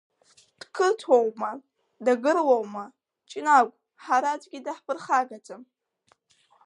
Дқырҭуоума, дагыруоума, Ҷнагә, ҳара аӡәгьы даҳԥырхагаӡам.